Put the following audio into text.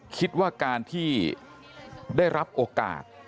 คิดว่าการที่ได้รับโอกาส